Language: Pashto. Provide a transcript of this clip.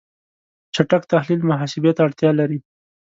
چټک تحلیل محاسبه ته اړتیا لري.